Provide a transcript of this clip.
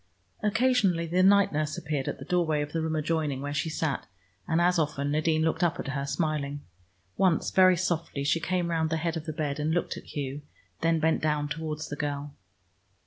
Occasionally the night nurse appeared at the doorway of the room adjoining, where she sat, and as often Nadine looked up at her smiling. Once, very softly, she came round the head of the bed, and looked at Hugh, then bent down towards the girl.